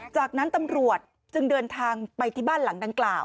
จากนั้นตำรวจจึงเดินทางไปที่บ้านหลังดังกล่าว